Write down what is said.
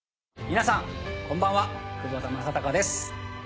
皆さんこんばんは窪田正孝です。